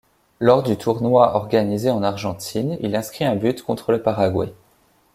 Lors du tournoi organisé en Argentine, il inscrit un but contre le Paraguay.